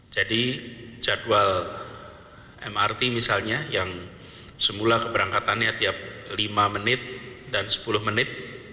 jadi jadwal mrt misalnya yang semula keberangkatannya tiap lima menit dan sepuluh menit